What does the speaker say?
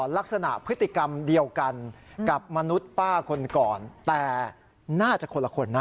ลักษณะพฤติกรรมเดียวกันกับมนุษย์ป้าคนก่อนแต่น่าจะคนละคนนะ